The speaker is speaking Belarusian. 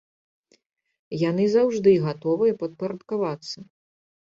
Яны заўжды гатовыя падпарадкавацца.